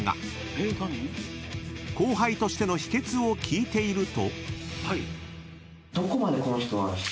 ［後輩としての秘訣を聞いていると］